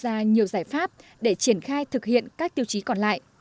xã rạ bản đã đưa ra nhiều giải pháp để triển khai thực hiện các tiêu chí còn lại